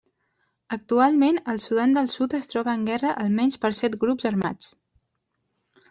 Actualment el Sudan del Sud es troba en guerra almenys per set grups armats.